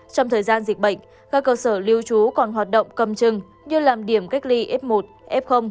trong thời gian dịch bệnh các cơ sở lưu trú còn hoạt động cầm chừng như làm điểm cách ly f một f